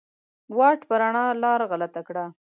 واټ په روڼا لار غلطه کړه